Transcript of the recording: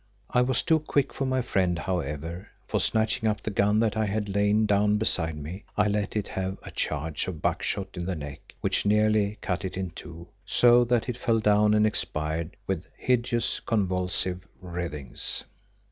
I was too quick for my friend, however, for snatching up the gun that I had lain down beside me, I let it have a charge of buckshot in the neck which nearly cut it in two, so that it fell down and expired with hideous convulsive writhings.